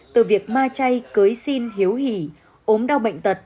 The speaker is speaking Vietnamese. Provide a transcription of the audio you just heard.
từ việc ma chay cưới xin hiếu hỉ ốm đau bệnh tật